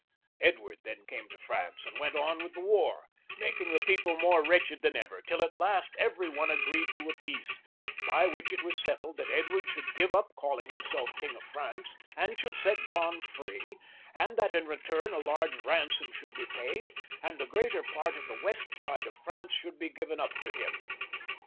Edward then came to France and went on with the war, making the people more wretched than ever, till at last every one agreed to a peace, by which it was settled that Edward should give up calling himself King of France, and should set John free ; and that in return a large ransom should be paid, and the greater part of the west side of France should be given up to him.